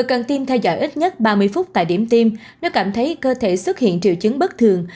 cần tiêm theo dõi ít nhất ba mươi phút tại điểm tiêm nếu cảm thấy cơ thể xuất hiện triệu chứng bất thường